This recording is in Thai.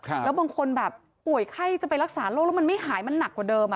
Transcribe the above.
แล้วบางคนแบบป่วยไข้จะไปรักษาโรคแล้วมันไม่หายมันหนักกว่าเดิม